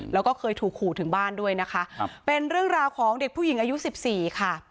แล้วก็เคยถูกขู่ถึงบ้านด้วยนะคะครับเป็นเรื่องราวของเด็กผู้หญิงอายุสิบสี่ค่ะ